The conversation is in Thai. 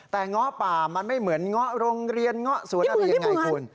แต่เงาะป่ามันไม่เหมือนเงาะโรงเรียนเงาะสวนอะไรยังไงคุณ